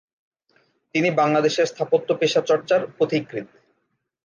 তিনি বাংলাদেশের স্থাপত্য পেশা চর্চার পথিকৃৎ।